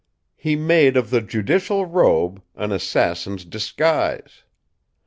He made of the judicial robe an assassin's disguise.